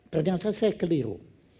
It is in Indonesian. ternyata saya keliru